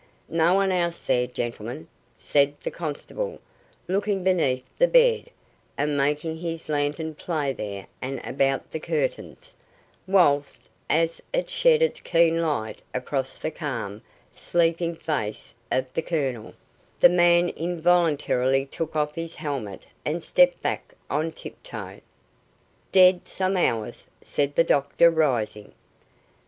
"No one else there, gentleman," said the constable, looking beneath the bed and making his lantern play there and about the curtains, whilst as it shed its keen light across the calm, sleeping face of the Colonel, the man involuntarily took off his helmet and stepped back on tiptoe. "Dead some hours," said the doctor, rising.